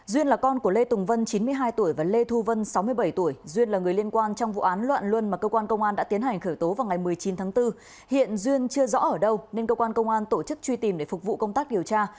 duyên là con của lê tùng vân chín mươi hai tuổi và lê thu vân sáu mươi bảy tuổi duyên là người liên quan trong vụ án loạn luân mà cơ quan công an đã tiến hành khởi tố vào ngày một mươi chín tháng bốn hiện duyên chưa rõ ở đâu nên cơ quan công an tổ chức truy tìm để phục vụ công tác điều tra